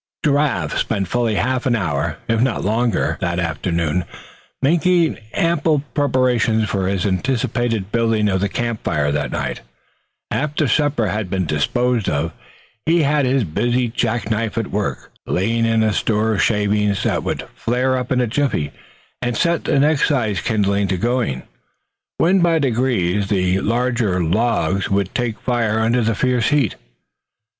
Giraffe spent fully half an hour, if not longer, that afternoon, making ample preparations for his anticipated building of the camp fire that night, after supper had been disposed of. He had his busy jack knife at work laying in a store of shavings that would flare up in a jiffy, and set the next sized kindling to going; when by degrees the larger logs would take fire under the fierce heat.